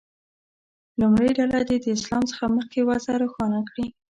لومړۍ ډله دې د اسلام څخه مخکې وضع روښانه کړي.